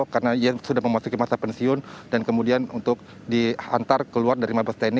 karena dia sudah memasuki masa pensiun dan kemudian untuk dihantar keluar dari pabstani